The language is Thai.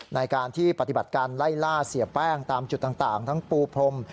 ในการที่ปฏิบัติการไล่ล่าเสียแป้งตามจุดต่างทั้งปูพรม